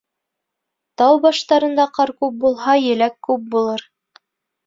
Тау баштарында ҡар күп булһа, еләк күп булыр.